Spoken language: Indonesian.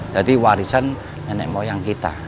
jadi warisan nenek moyang kita